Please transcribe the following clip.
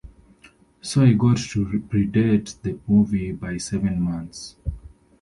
So I got to predate the movie by seven months.